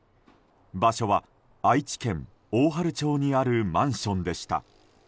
場所は、愛知県大治町にあるマンションでした。